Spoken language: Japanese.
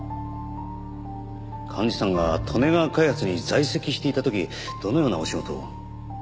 寛二さんが利根川開発に在籍していた時どのようなお仕事を？